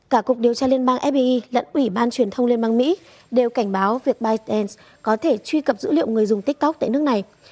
cả cục điều tra liên bang fbi lẫn ủy ban truyền thông liên bang mỹ đều cảnh báo việc biden có thể truy cập dữ liệu người dùng tiktok tại nước này